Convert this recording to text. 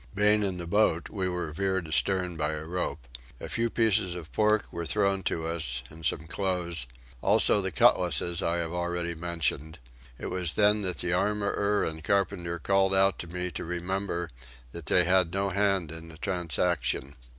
Being in the boat we were veered astern by a rope. A few pieces of pork were thrown to us, and some clothes, also the cutlasses I have already mentioned; and it was then that the armourer and carpenters called out to me to remember that they had no hand in the transaction.